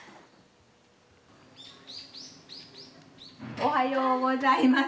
おはようございます。